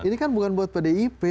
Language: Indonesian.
ini kan bukan buat pdip